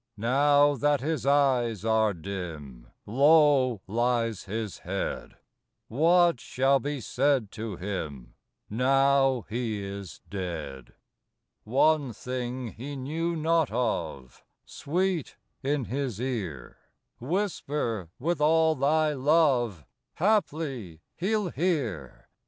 Now that his eyes are dim, Low lies his head? What shall be said to him, Now he is dead? One thing, he knew not of, Sweet, in his ear Whisper with all thy love Haply he'll hear.